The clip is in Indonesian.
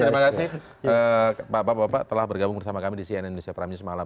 terima kasih pak bapak bapak telah bergabung bersama kami di cnn indonesia pramjus malam